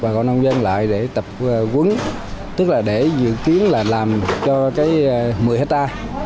và gọi nông dân lại để tập quấn tức là để dự kiến làm cho một mươi hectare